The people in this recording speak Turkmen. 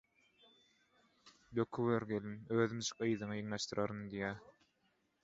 «Döküber gelin, özümjik yzyňy ýygnaşdyraryn» diýýä.